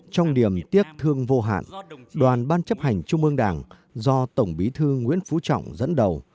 trong điểm tiếc thương vô hạn đoàn ban chấp hành trung ương đảng do tổng bí thư nguyễn phú trọng dẫn đầu